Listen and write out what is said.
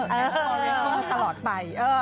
กันตลอดไป